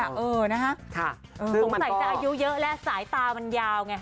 ผมสามารถจะอายุเยอะแล้วสายตามันยาวไง